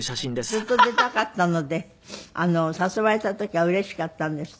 ずっと出たかったので誘われた時はうれしかったんですって？